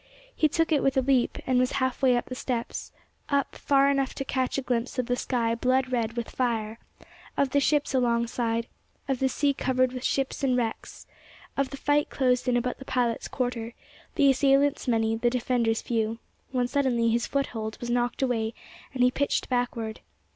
He took it with a leap, and was half way up the steps—up far enough to catch a glimpse of the sky blood red with fire, of the ships alongside, of the sea covered with ships and wrecks, of the fight closed in about the pilot's quarter, the assailants many, the defenders few—when suddenly his foothold was knocked away, and he pitched backward.